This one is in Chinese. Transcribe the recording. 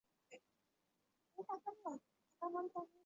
其终点站迁往现址埃默里维尔市。